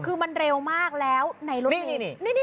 คือมันเร็วมากแล้วในรถนี่